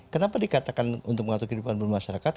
kenapa dikatakan untuk mengatur kehidupan bermasyarakat